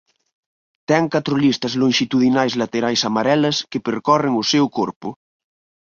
Ten catro listas lonxitudinais laterais amarelas que percorren o seu corpo.